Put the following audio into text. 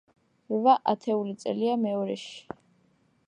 რვა ათეული წერია მეორეში.